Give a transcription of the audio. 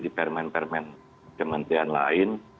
di permen permen kementerian lain